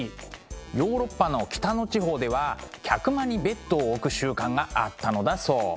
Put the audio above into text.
ヨーロッパの北の地方では客間にベッドを置く習慣があったのだそう。